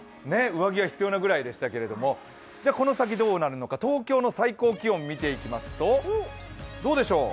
上着が必要なぐらいでしたけれども、この先、どうなるのか、東京の最高気温、見ていきますとどうでしょう？